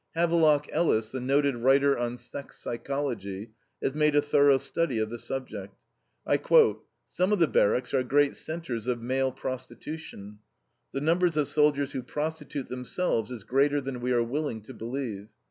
Havelock Ellis, the noted writer on sex psychology, has made a thorough study of the subject. I quote: "Some of the barracks are great centers of male prostitution.... The number of soldiers who prostitute themselves is greater than we are willing to believe.